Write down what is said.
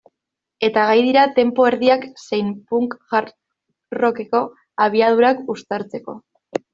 Eta gai dira tempo erdiak zein punk-hardcoreko abiadurak uztartzeko.